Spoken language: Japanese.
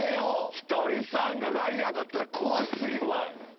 ⁉ひとりさんがライアーだったら怖過ぎる。